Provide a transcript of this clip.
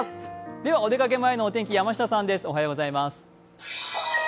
お出かけ前のお天気、山下さんです